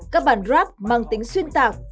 các bản rap mang tính xuyên tạc